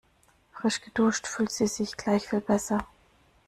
Frisch geduscht fühlt sie sich gleich viel besser.